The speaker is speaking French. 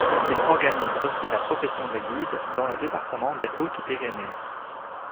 Il organise aussi la profession de guide dans le département des Hautes-Pyrénées.